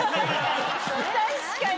確かに！